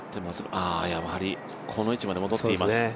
松山、やはりこの位置まで戻っています。